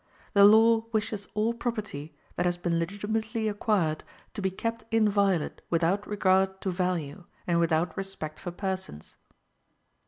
The law wishes all property, that has been legitimately acquired, to be kept inviolate without regard to value, and without respect for persons.